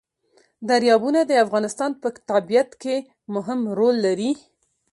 دریابونه د افغانستان په طبیعت کې مهم رول لري.